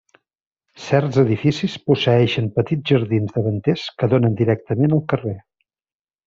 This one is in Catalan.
Certs edificis posseeixen petits jardins davanters que donen directament al carrer.